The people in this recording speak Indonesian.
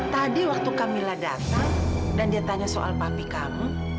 tadi waktu kami lah datang dan dia tanya soal papi kamu